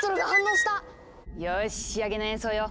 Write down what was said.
よし仕上げの演奏よ。